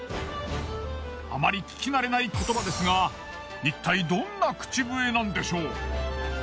あまり聞きなれない言葉ですが一体どんな口笛なんでしょう。